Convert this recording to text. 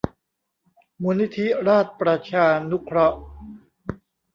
มูลนิธิราชประชานุเคราะห์